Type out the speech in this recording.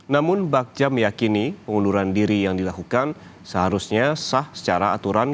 namun bagja meyakini pengunduran diri yang dilakukan seharusnya sah secara aturan